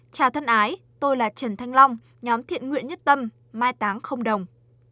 chào thân ái tôi là trần thanh long nhóm thiện nguyện nhất tâm mai táng không đồng